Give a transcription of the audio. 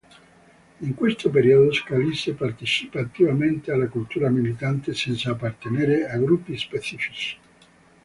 In questo periodo Scalise partecipa attivamente alla cultura militante senza appartenere a gruppi specifici.